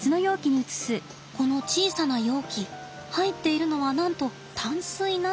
この小さな容器入っているのはなんと淡水なんですって。